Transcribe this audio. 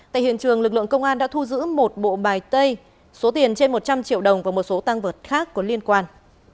tại hiện trường lực lượng công an đã thu giữ một bộ bài tây số tiền trên một trăm linh triệu đồng và một số tăng vật khác có liên quan